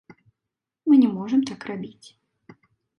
Мы не можам так рабіць.